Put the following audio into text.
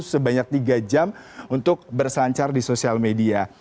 sebanyak tiga jam untuk berselancar di sosial media